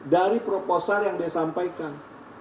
dari proposal yang disampaikan